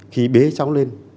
khi bế cháu lên